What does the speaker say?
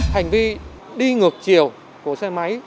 hành vi đi ngược chiều của xe máy